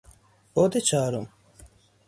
بعد چهارم